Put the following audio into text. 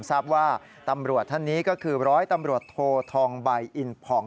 ทราบว่าตำรวจท่านนี้ก็คือร้อยตำรวจโททองใบอินผ่อง